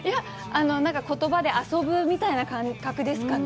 なんか言葉で遊ぶみたいな感覚ですかね。